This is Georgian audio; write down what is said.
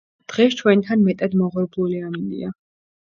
დღეს ჩვენთან მეტად მოღრუბლული ამინდია.